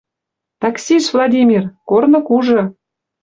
Таксиш, Владимир! Корны кужы